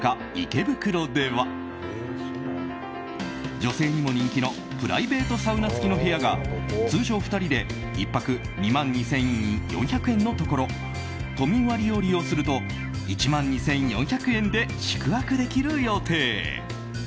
池袋では女性にも人気のプライベートサウナ付きの部屋が通常２人で１泊２万２４００円のところ都民割を利用すると１万２４００円で宿泊できる予定。